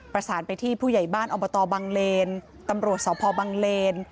ประสานไปที่ผู้ใหญ่บ้านอบตบังเลนตำรวจสพบังเลน